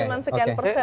cuma sekian persen